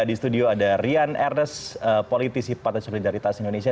di studio ada rian ernest politisi partai solidaritas indonesia